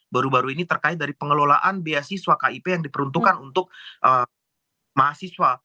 baru baru ini terkait dari pengelolaan beasiswa kip yang diperuntukkan untuk mahasiswa